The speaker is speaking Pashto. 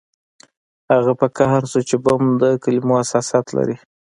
هغه په قهر شو چې بم د کلمو حساسیت لري